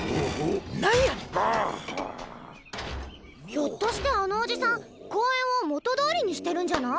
ひょっとしてあのおじさん公園を元どおりにしてるんじゃない？